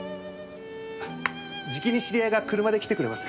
じきに知り合いが車で来てくれます。